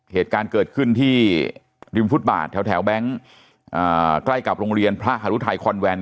เหตุการณ์เกิดขึ้นที่ริมฟุตบาทแถวแบงค์ใกล้กับโรงเรียนพระหารุทัยคอนแวน